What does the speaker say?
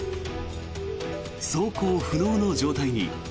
走行不能の状態に。